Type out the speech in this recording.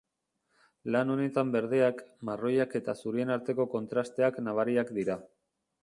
Lan honetan berdeak, marroiak eta zurien arteko kontrasteak nabariak dira.